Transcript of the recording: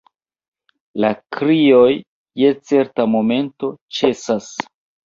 La krioj, je certa momento, ĉesas.